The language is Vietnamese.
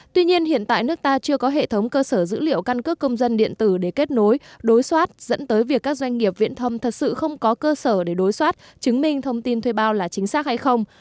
tuy nhiên hiện tại nước ta chưa có hệ thống cơ sở dữ liệu căn cước công dân điện tử để kết nối đối soát dẫn tới việc các doanh nghiệp viễn thông thật sự không có cơ sở để đối soát chứng minh thông tin thuê bao là chính xác hay không